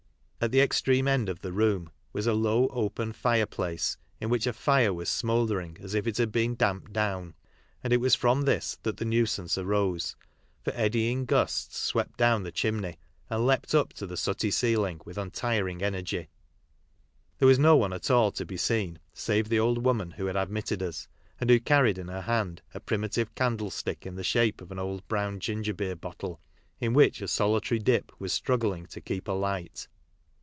At the extreme end of the room was a low open fire place, in which a fire was smouldering as if it had been damped down, and it was from this that the nuisance arose, for eddying gusts swept down the chimney and leaped up to the sooty ceiling with untiring energy. There was no one at all to be seen save the old woman who had admitted us, and who carried in her hand a primitive candlestick in the shape of an old brown ginger beer bottle, in which a solitary dip was struggling to keep alight.